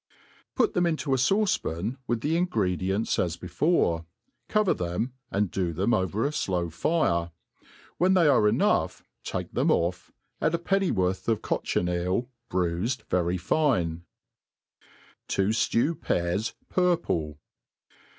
PUT them into a fauce pan, with the ingredients as before ; /cover them, and do them over a flow fire. When they are ,enough take them off; add a pennyworth of cochineal^ bruifed ;rery fine. To Jlew Pears purple.